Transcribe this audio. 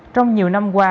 trong nhiều năm qua